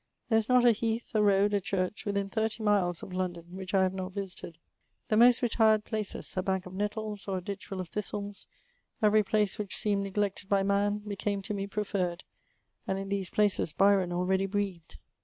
There is not a heath, a road, a chnrch, within thirty miles of L(»idon, which I have not visited. The most retired places, a bank of nettles, or a ditch ivJi of thistles, every place which seemed ne^eeted by man, became to me preleiTed, and in these places Byron already breathed.